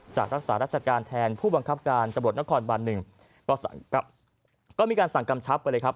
รักษาราชการแทนผู้บังคับการตำรวจนครบันหนึ่งก็มีการสั่งกำชับไปเลยครับ